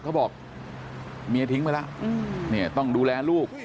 เขาบอกเมียทิ้งไปแล้วเนี่ยต้องดูแลลูก